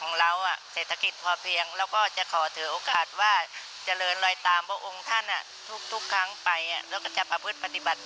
สวัสดีครับ